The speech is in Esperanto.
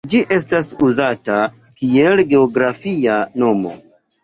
Ĝi estas uzata kiel geografia nomo.